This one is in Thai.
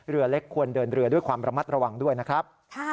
เรือเล็กควรเดินเรือด้วยความระมัดระวังด้วยนะครับ